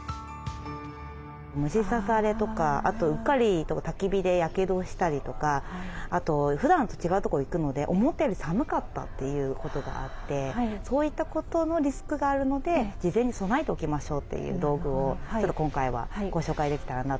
虫刺されとかあとうっかりたき火でやけどしたりとかあとふだんと違うとこ行くので思ったより寒かったっていうことがあってそういったことのリスクがあるので事前に備えておきましょうという道具をちょっと今回はご紹介できたらなと思ってます。